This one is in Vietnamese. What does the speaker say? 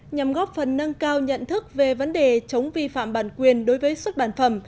nhằm góp phần nâng cao nhận thức về vấn đề chống vi phạm bản quyền đối với xuất bản phẩm